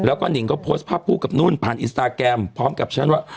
แล้วก็หนิงก็โพสต์ภาพคู่กับนุ่นผ่านอินสตาแกรมพร้อมกับฉันว่า